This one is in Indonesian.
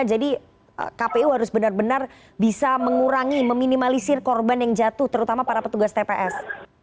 jadi kpu harus benar benar bisa mengurangi meminimalisir korban yang jatuh terutama para petugas tps